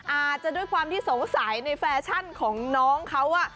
อาจจะด้วยความที่สงสัยในแฟชั่นของน้องเขา